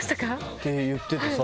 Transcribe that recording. って言っててさ。